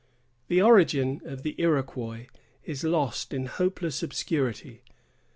The origin of the Iroquois is lost in hopeless obscurity.